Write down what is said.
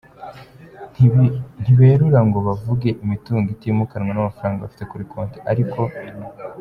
Ntiberura ngo bavuge imitungo itimukanwa n’amafaranga bafite kuri konti ariko:.